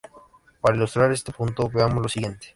Para ilustrar este punto, veamos lo siguiente.